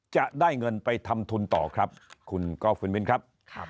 จะได้เงินไปทำทุนต่อครับคุณก้อฟวินครับ